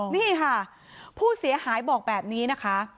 นี่ค่ะผู้เสียหายบอกแบบนี้นะคะ